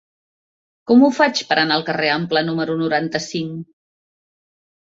Com ho faig per anar al carrer Ample número noranta-cinc?